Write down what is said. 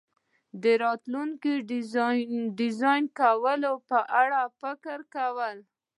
د راتلونکي ډیزاین کولو په اړه فکر کول